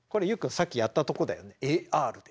さっきやったとこだよねＡＲで。